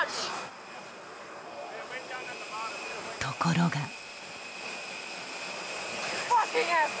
ところが。